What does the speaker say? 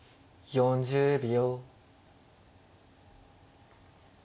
４０秒。